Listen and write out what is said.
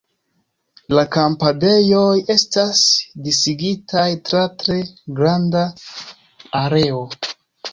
La kampadejoj estas disigitaj tra tre granda areo.